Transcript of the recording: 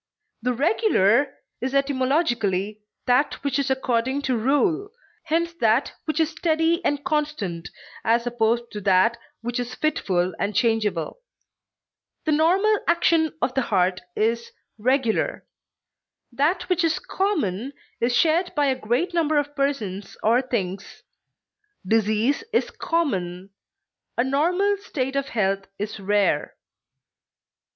The regular is etymologically that which is according to rule, hence that which is steady and constant, as opposed to that which is fitful and changeable; the normal action of the heart is regular. That which is common is shared by a great number of persons or things; disease is common, a normal state of health is rare.